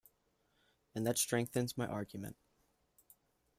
And that strengthens my argument.